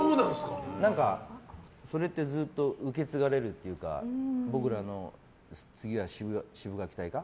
何かそれってずっと受け継がれるというか僕らの次はシブがき隊か。